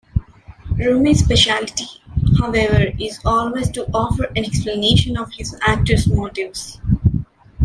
Rumi's speciality, however, is always to offer an explanation of his actors' motives.